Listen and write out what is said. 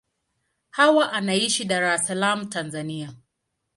Hawa anaishi Dar es Salaam, Tanzania.